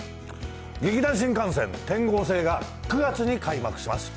劇団新感線、天號星が９月に開幕します。